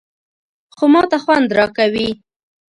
_خو ماته خوند راکوي.